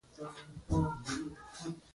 بېنډۍ د لیمو او پیاز سره ځانګړی خوند لري